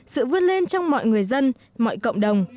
sự vươn lên trong mọi người dân mọi cộng đồng